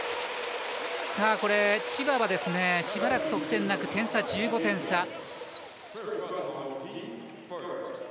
千葉は、しばらく得点なく点差１５点差。